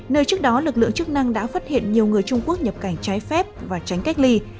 nơi trước đó lực lượng chức năng đã phát hiện nhiều người trung quốc nhập cảnh trái phép và tránh cách ly